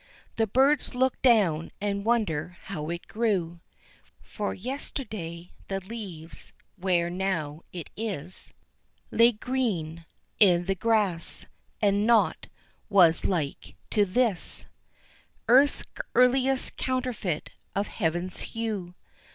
The birds look down and wonder how it grew, For yesterday the leaves where now it is Lay green i' the grass, and nought was like to this, Earth's earliest counterfeit of Heaven's hue.